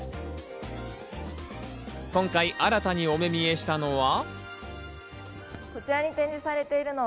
今回、新たにお目見えしたのは。